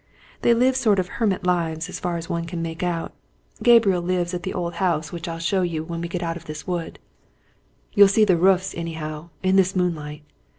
They live sort of hermit lives, as far as one can make out. Gabriel lives at the old house which I'll show you when we get out of this wood you'll see the roofs, anyhow, in this moonlight.